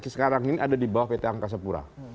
apset sekarang ini ada di bawah pt angka sepura